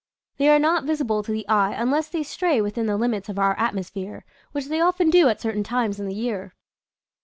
They are not visi ble to the eye unless they stray within the limits of our atmosphere, which they often do at certain times in the year.